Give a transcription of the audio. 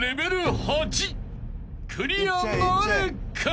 ［クリアなるか？］